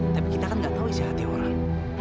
tapi kita kan nggak tahu isi hati orang